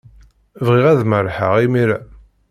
Bɣiɣ ad merrḥeɣ imir-a.